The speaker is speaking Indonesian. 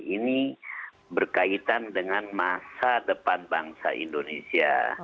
ini berkaitan dengan masa depan bangsa indonesia